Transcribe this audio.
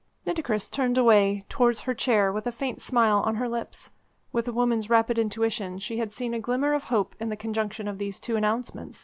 Nitocris turned away towards her chair with a faint smile on her lips. With a woman's rapid intuition, she had seen a glimmer of hope in the conjunction of these two announcements.